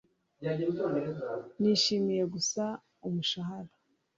Nishimiye gusa umushahara